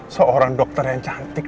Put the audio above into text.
seorang dokter yang cantik